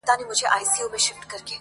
• روح مي خبري وکړې روح مي په سندرو ويل.